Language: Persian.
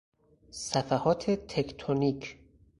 صفحات تکتونیک